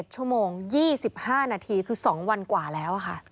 ชั่วโมง๒๕นาทีคือ๒วันกว่าแล้วค่ะ